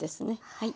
はい。